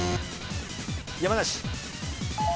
山梨。